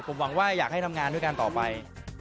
ผมหวังว่าอยากให้ทำงานด้วยกันต่อไป